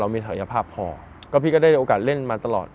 มีศักยภาพพอก็พี่ก็ได้โอกาสเล่นมาตลอด